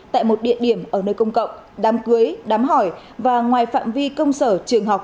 tại một địa điểm ở nơi công cộng đám cưới đám hỏi và ngoài phạm vi công sở trường học